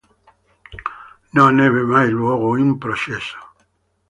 Non ebbe mai luogo un processo.